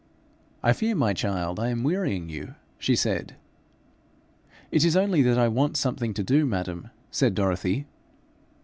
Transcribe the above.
'I fear, my child, I am wearying you,' she said. 'It is only that I want something to do, madam,' said Dorothy.